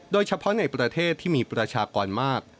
โดยเฉพาะในประเทศที่มีประชากรมาก